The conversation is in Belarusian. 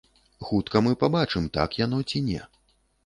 Хутка мы пабачым, так яно ці не.